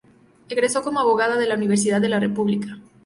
Egresó como abogada de la Universidad de la República.